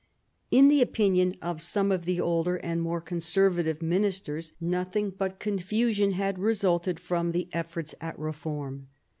In the opinion of some of the older and more con servative ministers, nothing but confusion had resulted 1758 65 DOMESTIC AFFAIRS 191 from the efforts at reform.